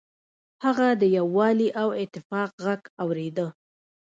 هغه د یووالي او اتفاق غږ اوریده.